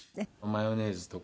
マヨネーズとか。